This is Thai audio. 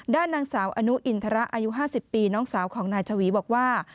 ด้านนางสาวอนุอินทระอายุ๕๐ปีน้องสาวของนายชวีบอกว่า